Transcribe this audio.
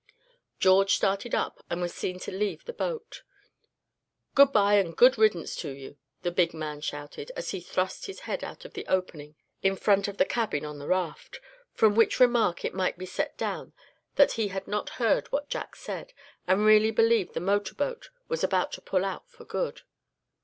George started up and was seen to leave the float. "Good bye, and good riddance to you!" the big man shouted, as he thrust his head out of the opening in front of the cabin on the raft; from which remark it might be set down that he had not heard what Jack said, and really believed the motor boat was about to pull out for good.